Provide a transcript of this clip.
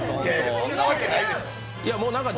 そんなわけないでしょう。